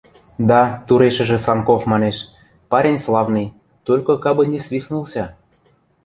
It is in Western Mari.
— Да, — турешӹжӹ Санков манеш, — парень славный... только кабы не свихнулся...